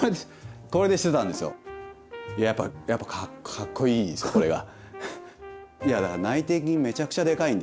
いややっぱかっこいいですこれが。